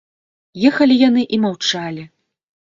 Ехалі яны і маўчалі.